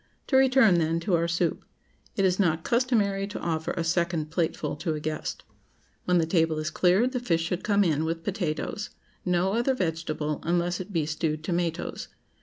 To return, then, to our soup: It is not customary to offer a second plateful to a guest. When the table is cleared, the fish should come in, with potatoes—no other vegetable, unless it be stewed tomatoes.